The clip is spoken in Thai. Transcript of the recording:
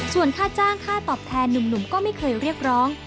ส่วนค่าจ้างค่าตอบแทนหนุ่มก็ไม่เคยเรียกร้อง